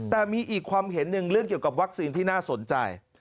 แต่มีอีกความเห็นหนึ่งเรื่องเกี่ยวกับวัคซีนที่น่าสนใจ